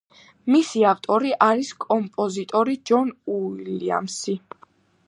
მისი ავტორი არის კომპოზიტორი ჯონ უილიამსი.